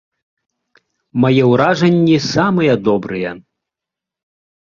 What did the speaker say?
Мае ўражанні самыя добрыя.